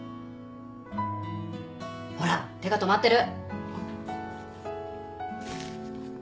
ほら手が止まってる。